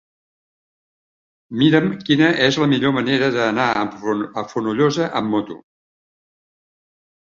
Mira'm quina és la millor manera d'anar a Fonollosa amb moto.